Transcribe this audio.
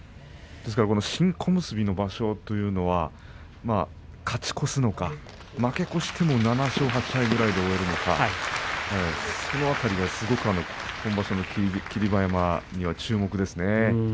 新小結の場所というのは勝ち越すのか負け越しても７勝８敗くらいで終えるのかその辺りがすごく今場所の霧馬山には注目ですね。